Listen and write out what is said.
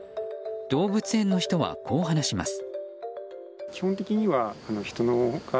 動物園の人は、こう話します。